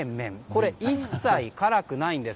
これ、一切辛くないんです。